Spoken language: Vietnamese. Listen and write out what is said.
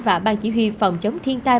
và ban chỉ huy phòng chống thiên tai